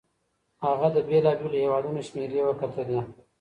هغه د بېلابېلو هيوادونو شمېرې وکتلې.